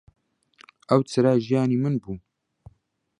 ئەو چرای ژیانی من بوو.